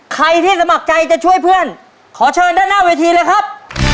ใครที่สมัครใจจะช่วยเพื่อนขอเชิญด้านหน้าเวทีเลยครับ